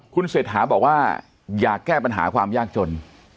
คุณเศรษฐาบอกว่าอยากแก้ปัญหาความยากจน